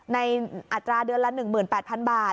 อัตราเดือนละ๑๘๐๐๐บาท